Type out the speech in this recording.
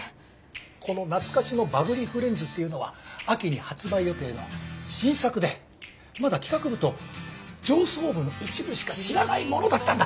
この懐かしのバブリーフレンズっていうのは秋に発売予定の新作でまだ企画部と上層部の一部しか知らないものだったんだ。